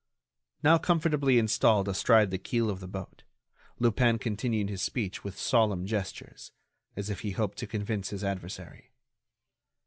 Now comfortably installed astride the keel of the boat, Lupin continued his speech with solemn gestures, as if he hoped to convince his adversary.